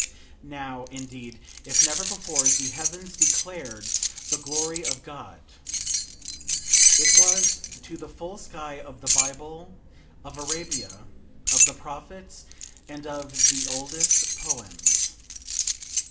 Now, indeed, if never before, the heavens declared the glory of God. It was to the full sky of the Bible, of Arabia, of the prophets, and of the oldest poems.